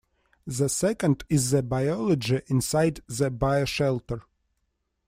The second is the biology inside the bioshelter.